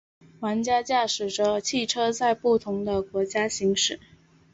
玩家驾驶着汽车在不同的国家行驶。